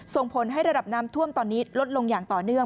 ส่งผลให้ระดับน้ำท่วมตอนนี้ลดลงอย่างต่อเนื่อง